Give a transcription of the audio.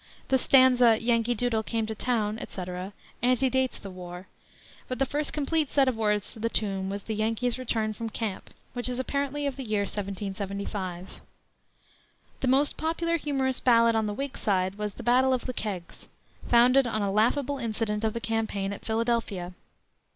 The stanza, "Yankee Doodle came to town," etc., antedates the war; but the first complete set of words to the tune was the Yankee's Return from Camp, which is apparently of the year 1775. The most popular humorous ballad on the Whig side was the Battle of the Kegs, founded on a laughable incident of the campaign at Philadelphia.